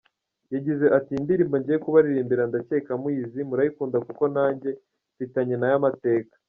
Yagize ati “Iyi ndirimbo ngiye kubaririmbira ndakeka muyizi, murayikunda kuko nanjye mfitanye nayo amateka.